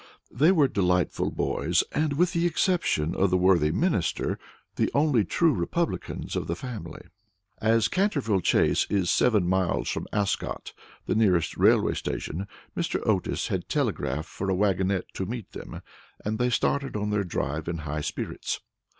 They were delightful boys, and, with the exception of the worthy Minister, the only true republicans of the family. As Canterville Chase is seven miles from Ascot, the nearest railway station, Mr. Otis had telegraphed for a wagonette to meet them, and they started on their drive in high spirits.